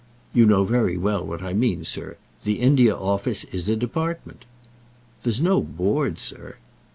"You know very well what I mean, sir. The India Office is a department." "There's no Board, sir."